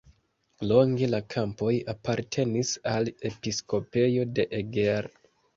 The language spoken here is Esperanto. Longe la kampoj apartenis al episkopejo de Eger.